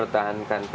ini untuk apa